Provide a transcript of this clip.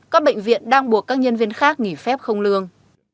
các bệnh viện đang buộc các nhân viên khác nghỉ phép không lương